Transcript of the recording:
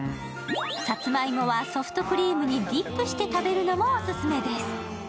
さつまいもはソフトクリームにディップして食べるのもオススメです。